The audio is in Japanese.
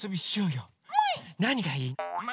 なにがいい？もい！